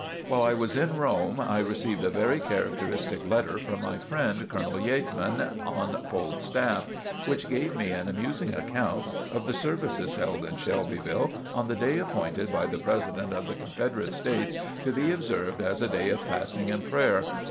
While I was in Rome I received a very characteristic letter from my friend, Colonel Yeatman, on Polk's staff, which gave me an amusing account of the services held in Shelbyville on the day appointed by the President of the Confederate States to be observed as a day of fasting and prayer.